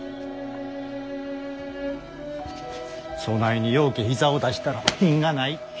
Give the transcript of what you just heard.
そないにようけ膝を出したら品がない。